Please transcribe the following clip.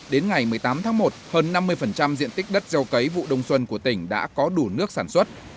đến ngày một mươi tám tháng một hơn năm mươi diện tích đất gieo cấy vụ đông xuân của tỉnh đã có đủ nước sản xuất